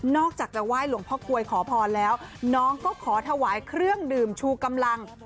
อกจากจะไหว้หลวงพ่อกลวยขอพรแล้วน้องก็ขอถวายเครื่องดื่มชูกำลัง